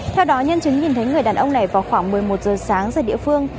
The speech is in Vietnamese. theo đó nhân chứng nhìn thấy người đàn ông này vào khoảng một mươi một giờ sáng ra địa phương